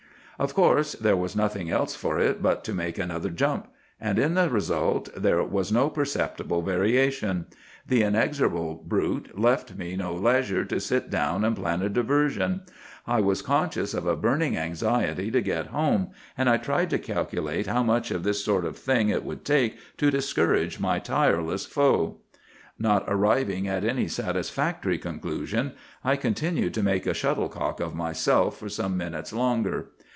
"Of course, there was nothing else for it but to make another jump; and in the result there was no perceptible variation. The inexorable brute left me no leisure to sit down and plan a diversion. I was conscious of a burning anxiety to get home, and I tried to calculate how much of this sort of thing it would take to discourage my tireless foe. Not arriving at any satisfactory conclusion, I continued to make a shuttle cock of myself for some minutes longer.